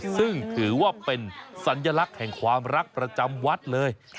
ซึ่งถือว่าเป็นสัญลักษณ์แห่งความรักประจำวัดเลย